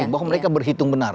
bahwa mereka berhitung benar